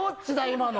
今の。